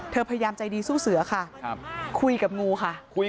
พยายามใจดีสู้เสือค่ะคุยกับงูค่ะ